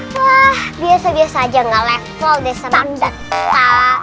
wah biasa biasa aja gak level deh sama kita